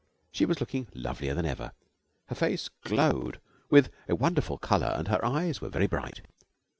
She was looking lovelier than ever. Her face glowed with a wonderful colour and her eyes were very bright.